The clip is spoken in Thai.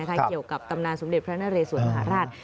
เกี่ยวกับตำนานสมเด็จพระนเรสวนมหาราช